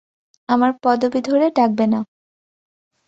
আমার পদবী ধরে ডাকবে না।